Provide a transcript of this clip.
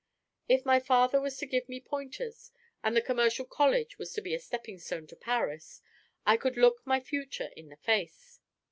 If my father was to give me pointers, and the commercial college was to be a stepping stone to Paris, I could look my future in the face.